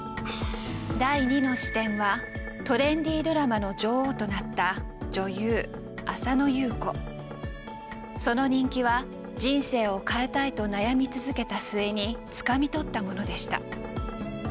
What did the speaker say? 第２の視点は「トレンディドラマの女王」となったその人気は人生を変えたいと悩み続けた末につかみ取ったものでした。